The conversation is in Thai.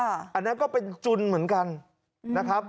อันนั้นก็เป็นจุนเหมือนกันนะครับ